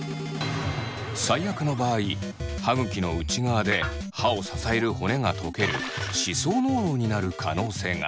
最悪の場合歯ぐきの内側で歯を支える骨が溶ける歯槽膿漏になる可能性が。